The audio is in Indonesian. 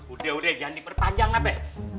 udah udah jangan diperpanjang abe